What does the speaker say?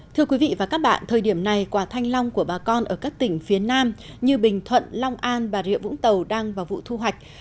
thưa quý vị và các bạn thời điểm này quả thanh long của bà con ở các tỉnh phía nam như bình thuận long an bà rịa vũng tàu đang vào vụ thu hoạch